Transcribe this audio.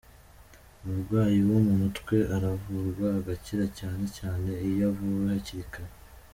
Umurwayi wo mu mutwe aravurwa agakira cyane cyane iyo avuwe hakiri kare.